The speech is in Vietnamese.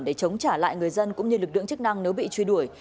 để chống trả lại người dân cũng như lực lượng chức năng nếu bị truy đuổi